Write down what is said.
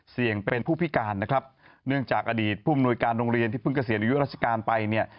เสี่ยงเป็นผู้พิการนะครับเนื่องจากอดีตผู้มนวยการโรงเรียนที่เพิ่งเกษียณอายุราชการไปเนี่ย